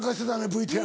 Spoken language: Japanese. ＶＴＲに。